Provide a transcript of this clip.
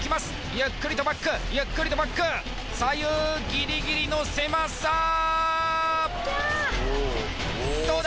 ゆっくりとバックゆっくりとバック左右ギリギリの狭さキャーどうだ？